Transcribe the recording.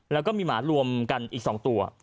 แล้วก็มีหมารวมกันอีก๒ตัว